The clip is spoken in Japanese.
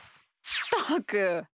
ったく！